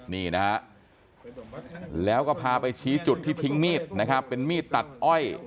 นี่นะฮะแล้วก็พาไปชี้จุดที่ทิ้งมีดนะครับเป็นมีดตัดอ้อย